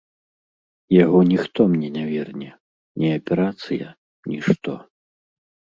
Яго ніхто мне не верне, ні аперацыя, нішто.